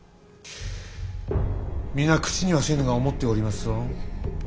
皆口にはせぬが思っておりますぞ。